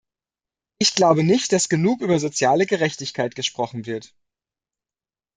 Ich glaube nicht, dass genug über soziale Gerechtigkeit gesprochen wird.